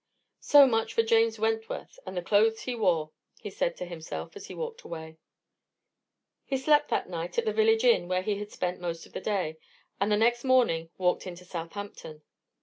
"So much for James Wentworth, and the clothes he wore," he said to himself as he walked away. He slept that night at the village inn where he had spent the day, and the next morning walked into Southampton.